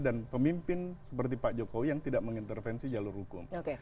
dan pemimpin seperti pak jokowi yang tidak mengintervensi jalur hukum